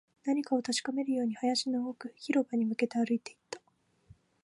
何かを確かめるように、林の奥、広場に向けて歩いていった